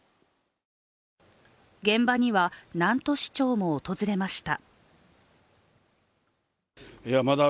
現場には南砺市長も訪れました。